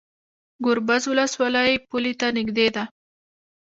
ګربز ولسوالۍ پولې ته نږدې ده؟